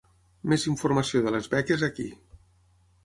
Més informació de les beques aquí.